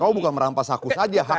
oh bukan merampas aku saja